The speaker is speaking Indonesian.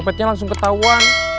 cepetnya langsung ketahuan